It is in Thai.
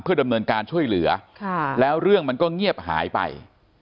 เพื่อดำเนินการช่วยเหลือและเรื่องก็เงียบหายไป